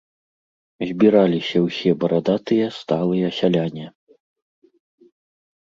Збіраліся ўсе барадатыя сталыя сяляне.